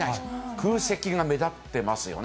空席が目立ってますよね。